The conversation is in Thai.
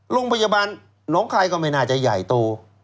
โรงพยาบาลหนองคายก็ไม่น่าจะใหญ่โต